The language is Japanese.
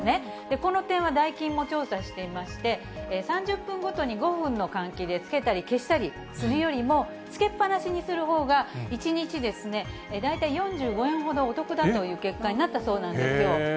この点はダイキンも調査していまして、３０分ごとに５分の換気でつけたり消したりするよりも、つけっぱなしにするほうが、１日、大体４５円ほどお得だという結果になったそうなんですよ。